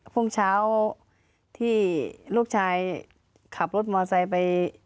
ช่วงเช้าที่ลูกชายขับรถมอไซค์ไป